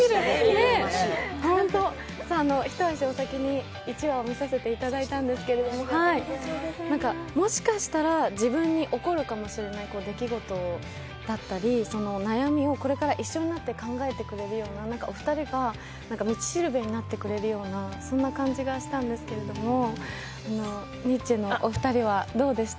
一足お先に１話を見させていただいたんですけれども、もしかしたら自分に起こるかもしれない出来事だったり悩みをこれから一緒になって考えてくれるような、お二人が道しるべになってくれるような感じがしたんですけれどもニッチェのお二人はどうでした？